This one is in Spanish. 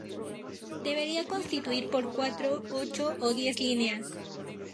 Debería constituir por cuatro, ocho o diez líneas.